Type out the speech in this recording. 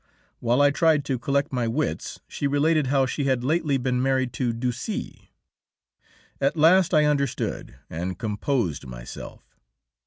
While I tried to collect my wits she related how she had lately been married to Ducis. At last I understood, and composed myself.